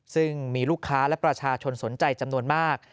ซึ่งมีลูกค้าและประชาชนสนใจจำนวนมาก